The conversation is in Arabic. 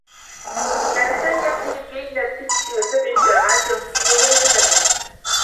كان سامي يقضي بين ستّ و سبع ساعات يوميّا و هو يتدرّب.